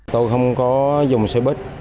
tôi không có dùng xe buýt